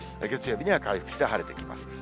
月曜日には回復して晴れてきます。